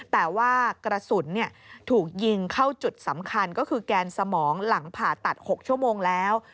แต่ว่ากระสุนถูกยิงเข้าจุดสำคัญก็คือแกนสมองหลังผ่าตัด๖ชั่วโมงแล้ว